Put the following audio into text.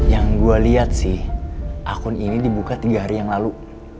yang gue lihat sih akun ini dibuka tiga hari yang lalu